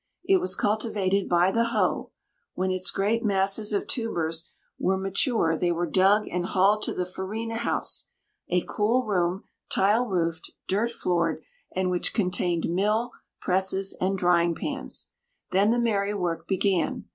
It was cultivated by the hoe. When its great masses of tubers were mature they were dug and hauled to the farina house, a cool room, tile roofed, dirt floored, and which contained mill, presses, and drying pans. Then the merry work began.